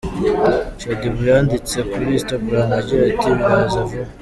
Shaddy Boo yanditse kuri instagram agira ati :”Biraza vuba.